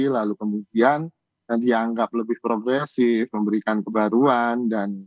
lalu kemudian dianggap lebih progresif memberikan kebaruan